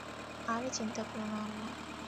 আরে চিন্তা করো না, আম্মা।